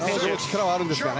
力はあるんですが。